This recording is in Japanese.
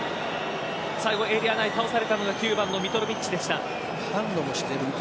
最後エリア内倒されたのが９番のミトロヴィッチでした。